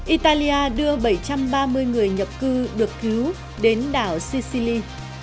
italia đưa bảy trăm ba mươi người nhập cư được cứu đến đảo sicili